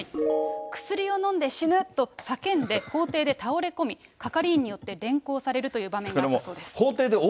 薬を飲んで死ぬ！と叫んで法廷で倒れ込み、係員によって連行されるという場面があったそうです。